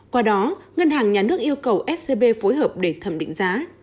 qua đó ngân hàng nhà nước yêu cầu scb phối hợp để thẩm định giá